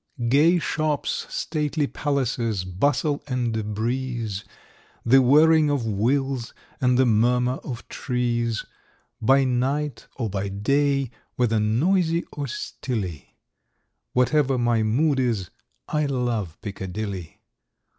Gay shops, stately palaces, bustle and breeze, The whirring of wheels, and the murmur of trees, By night, or by day, whether noisy or stilly, Whatever my mood is—I love Piccadilly.